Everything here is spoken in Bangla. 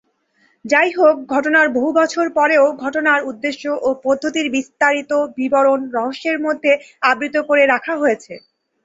যাইহোক, ঘটনার বহু বছর পরেও, ঘটনার উদ্দেশ্য ও পদ্ধতির বিস্তারিত বিবরণ রহস্যের মধ্যে আবৃত করে রাখা হয়েছে।